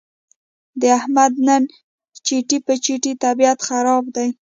د احمد نن چټي په چټي طبیعت خراب دی.